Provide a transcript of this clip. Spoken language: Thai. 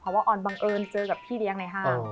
เพราะว่าออนบังเอิญเจอกับพี่เลี้ยงในห้าง